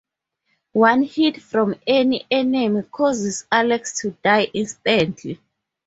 One hit from any enemy causes Alex to die instantly.